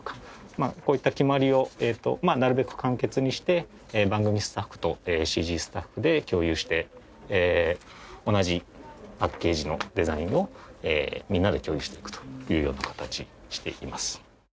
こういった決まりをなるべく簡潔にして番組スタッフとＣＧスタッフで共有して同じパッケージのデザインをみんなで共有していくというような形にしています。